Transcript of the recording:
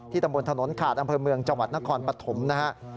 ที่ตรงบนถนนขาดอำเภอเมืองจังหวัดนครปฐมนะครับ